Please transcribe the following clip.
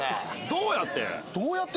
どうやって？